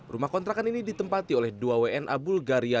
rumah kontrakan ini ditempati oleh dua wna bulgaria